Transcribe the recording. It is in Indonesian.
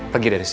pergi dari sini